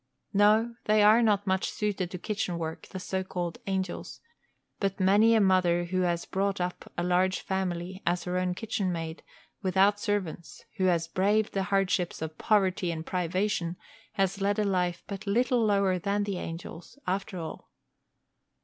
No, they are not much suited to kitchen work, the so called angels; but many a mother who has brought up a large family as her own kitchen maid, without servants, who has braved the hardships of poverty and privation, has led a life but little lower than the angels, after all.